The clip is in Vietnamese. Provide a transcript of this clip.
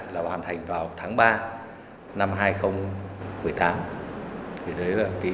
phần thiết kế